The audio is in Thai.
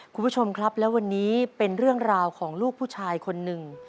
คุณผู้ชมครับและวันนี้เป็นเรื่องราวของลูกผู้ชายคนหนึ่ง